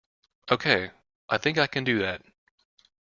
Okay, I think I can do that.